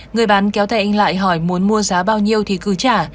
người bán kéo tay anh lại hỏi muốn mua giá bao nhiêu thì cứ trả